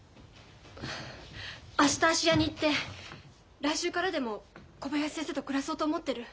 明日芦屋に行って来週からでも小林先生と暮らそうと思ってる。